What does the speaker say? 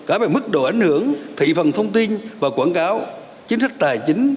ảnh hưởng thị phần thông tin và quảng cáo chính sách tài chính